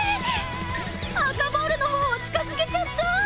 赤ボールの方を近づけちゃった！